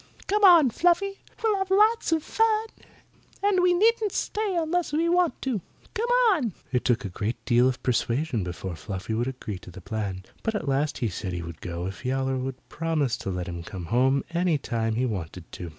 Come on, Fluffy. We'll have lots of fun. And we needn't stay unless we want to. Come on!" It took a great deal of persuasion before Fluffy would agree to the plan, but at last he said he would go if Yowler would promise to let him come home any time he wanted to.